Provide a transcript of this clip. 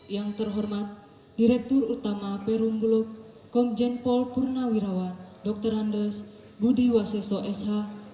yang terhormat direktur utama perum bulog komjen pol purnawirawan dr andes budi waseso sh